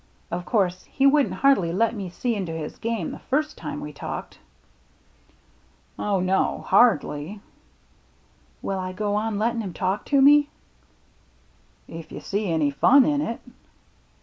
Of course he wouldn't hardly let me see into his game the first time we talked." "Oh, no, — hardly." " Will I go on lettin' him talk to me ?"" If you see any fun in it."